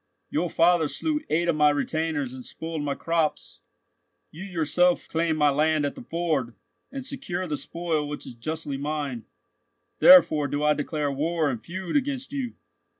Your father slew eight of my retainers and spoiled my crops. You yourself claim my land at the ford, and secure the spoil which is justly mine. Therefore do I declare war and feud against you.